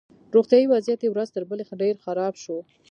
روغتیایي وضعیت یې ورځ تر بلې ډېر خراب شو